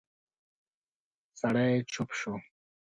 سړی چوپ شو.